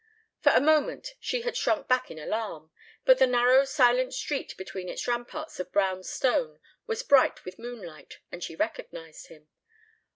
For a moment she had shrunk back in alarm, but the narrow silent street between its ramparts of brown stone was bright with moonlight and she recognized him.